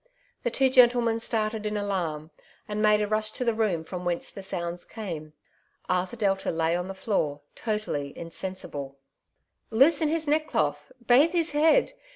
The twx) gentlemen started in alarm, and made a rush to the room from whence the sounds came. Arthur Delta lay on the floor totally insensible. *' Loosen his neckcloth ! bathe his head